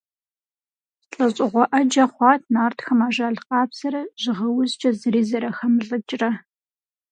ЛӀэщӀыгъуэ Ӏэджэ хъуат нартхэм ажал къабзэрэ жьыгъэ узкӀэ зыри зэрахэмылӀыкӀрэ.